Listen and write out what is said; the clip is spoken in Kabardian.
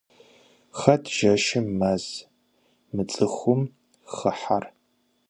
Хэт жэщым мэз мыцӀыхум хыхьэр?